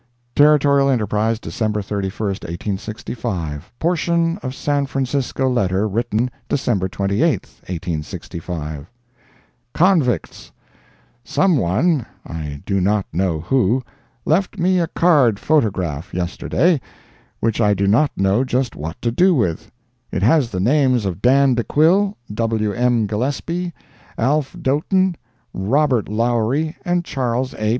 Territorial Enterprise, December 31, 1865 [portion of San Francisco Letter written December 28, 1865] CONVICTS Some one (I do not know who,) left me a card photograph, yesterday, which I do not know just what to do with. It has the names of Dan De Quille, W. M. Gillespie, Alf. Doten, Robert Lowery and Charles A.